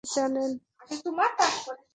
আপনি তো ভালোই জানেন।